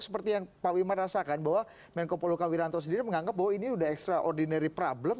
seperti yang pak wimar rasakan bahwa menko poluka wiranto sendiri menganggap bahwa ini sudah extraordinary problem